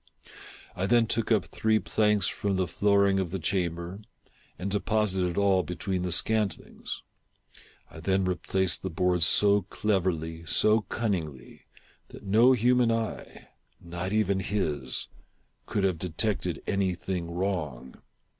I then took up three planks from the flooring of the chamber, and deposited all between the scantlings. I then replaced the boards so cleverly, so cunningly, that no human eye — not even his — could have detected any thing wrong.